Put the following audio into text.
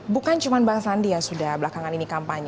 bukan cuma bang sandiaga sudah belakangan ini kampung